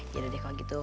jadah deh kalau gitu